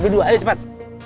dua dua ayo cepat